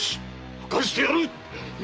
吐かしてやる！